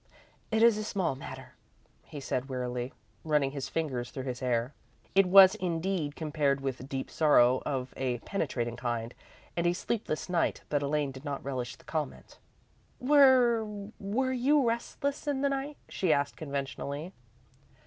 "It is a small matter," he said, wearily, running his fingers through his hair. It was, indeed, compared with deep sorrow of a penetrating kind, and a sleepless night, but Elaine did not relish the comment. "Were were you restless in the night?" she asked, conventionally.